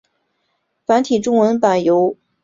繁体中文版由台湾光谱代理。